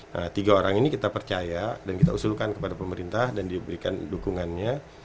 nah tiga orang ini kita percaya dan kita usulkan kepada pemerintah dan diberikan dukungannya